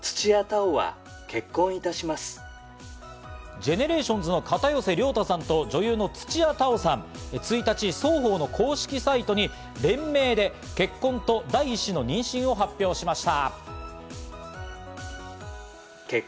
ＧＥＮＥＲＡＴＩＯＮの片寄涼太さんと女優の土屋太鳳さん、１日、双方の公式サイトに連名で結婚と第１子の妊娠を発表しました。